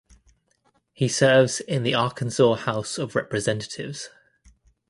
He serves in the Arkansas House of Representatives.